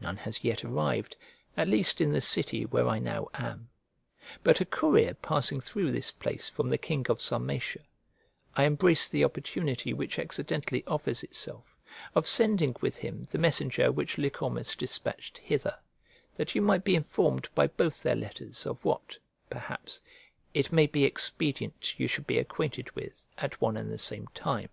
None has yet arrived, at least in the city where I now am. But a courier passing through this place from the king of Sarmatia, I embrace the opportunity which accidentally offers itself, of sending with him the messenger which Lycormas despatched hither, that you might be informed by both their letters of what, perhaps, it may be expedient you should be acquainted with at one and the same time.